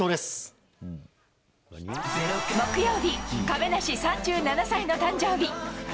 木曜日、亀梨３７歳の誕生日。